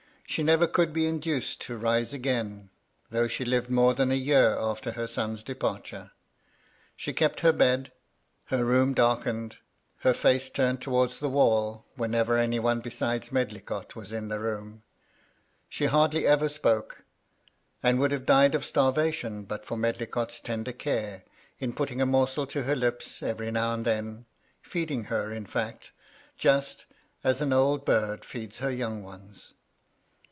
"She never could be induced to rise again, though she lived more than a year after her son's departure. She kept her bed; her room darkened, her face turned towards the wall, whenever any one besides Medlicott was in the room. She hardly ever spoke, and would have died of starvation but for Med licott's tender care, in putting a morsel to her lips every now and then, feeding her, in fact, just as an 198 MY LADY LUDLOW. old bird feeds her young ones.